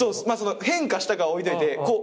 変化したかは置いといて。